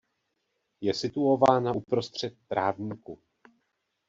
Je situována uprostřed trávníku.